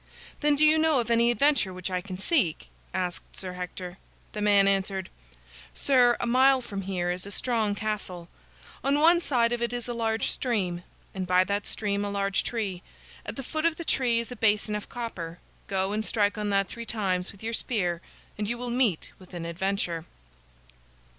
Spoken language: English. "Then do you know of any adventure which I can seek?" asked Sir Hector. The man answered: "Sir, a mile from here is a strong castle. On one side of it is a large stream, and by that stream a large tree. At the foot of the tree is a basin of copper. Go and strike on that three times with your spear and you will meet with an adventure."